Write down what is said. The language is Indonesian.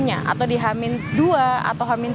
atau di hamin dua atau hamin tiga